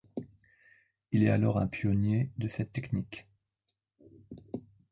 Il est alors un pionnier de cette technique.